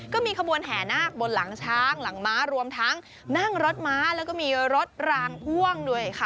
ก็มีขบวนแห่นาคบนหลังช้างหลังม้ารวมทั้งนั่งรถม้าแล้วก็มีรถรางพ่วงด้วยค่ะ